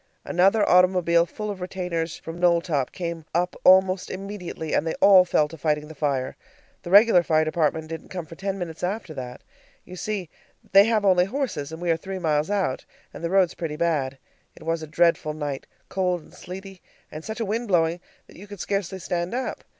Another automobile full of retainers from Knowltop came up almost immediately, and they all fell to fighting the fire. The regular fire department didn't come for ten minutes after that. You see, they have only horses, and we are three miles out, and the roads pretty bad. It was a dreadful night, cold and sleety, and such a wind blowing that you could scarcely stand up.